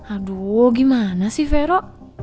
aduh gimana sih vero